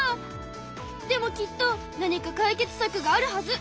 でもきっと何か解決さくがあるはず！